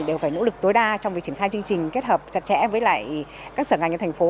đều phải nỗ lực tối đa trong việc triển khai chương trình kết hợp chặt chẽ với các sở ngành ở thành phố